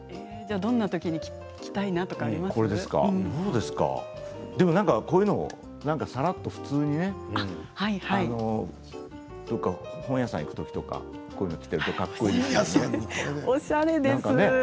どんなときに着たいなとかこういうのさらっと普通にどこか本屋さんに行くときとかこういうのを着ているとかっこいいですよね。